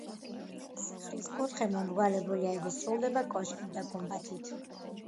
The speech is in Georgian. სახლის კუთხე მომრგვალებულია, იგი სრულდება კოშკით და გუმბათით.